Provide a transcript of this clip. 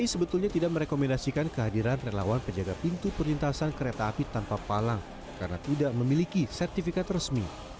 sebetulnya tidak merekomendasikan kehadiran relawan penjaga pintu perlintasan kereta api tanpa palang karena tidak memiliki sertifikat resmi